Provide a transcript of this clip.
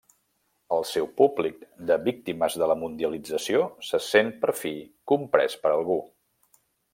El seu públic de víctimes de la mundialització se sent per fi comprés per algú.